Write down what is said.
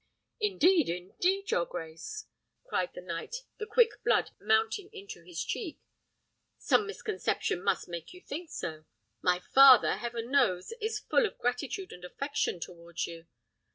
"Indeed, indeed, your grace?" cried the knight, the quick blood mounting into his cheek. "Some misconception must make you think so. My father, heaven knows! is full of gratitude and affection towards you."